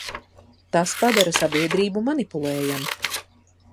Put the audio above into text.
Tas padara sabiedrību manipulējamu.